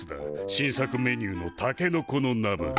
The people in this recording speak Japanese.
新作メニューのタケノコのナムル。